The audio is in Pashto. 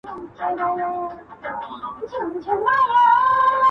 د پاچا په زړه کي ځای یې وو نیولی،